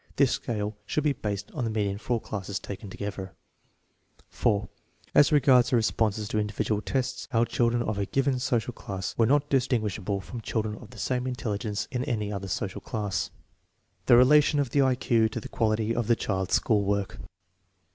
This scale should be based on the median for all classes taken together. 4. As regards their responses to individual tests, our children of a given social class were not distinguishable from children of the same intelligence in any other social class. The relation of the I Q to the quality of the child's school work.